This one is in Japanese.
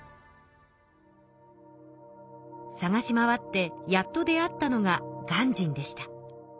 さがし回ってやっと出会ったのが鑑真でした。